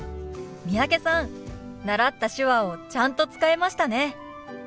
三宅さん習った手話をちゃんと使えましたね。